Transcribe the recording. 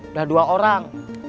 udah dua orang